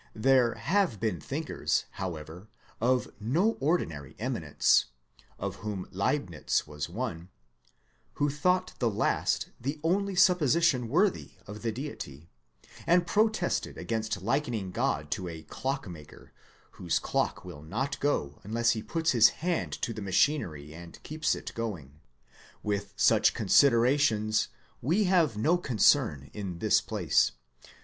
There have been thinkers however of no ordinary eminence (of whom Leibnitz was one) who thought the last the only supposition worthy of the Deity, and protested against likening God to a clockmaker whose clock will not go unless he puts his hand to the machinery and keeps it going. With such con siderations we have no concern in this place.